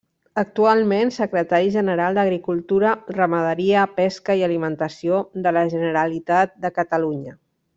Actualment Secretari General d'Agricultura, Ramaderia, Pesca i Alimentació de la Generalitat de Catalunya.